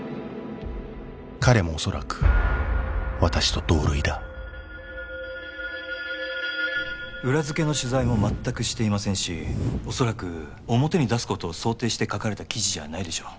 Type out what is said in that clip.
彼もおそらく私と同類だ裏付けの取材も全くしていませんしおそらく表に出すことを想定して書かれた記事じゃないでしょう